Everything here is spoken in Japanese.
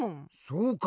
そうか。